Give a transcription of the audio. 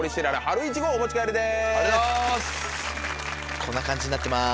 こんな感じになってます。